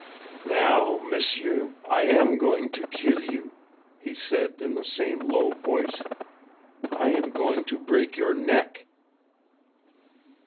"Now, M'seur, I am going to kill you," he said in the same low voice. "I am going to break your neck."